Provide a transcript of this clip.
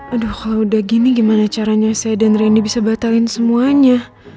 aduh kalau udah gini gimana caranya saya dan randy bisa batalin semuanya